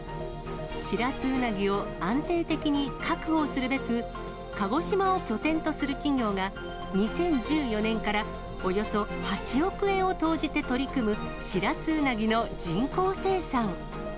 シラスウナギを安定的に確保するべく、鹿児島を拠点とする企業が、２０１４年からおよそ８億円を投じて取り組むシラスウナギの人工生産。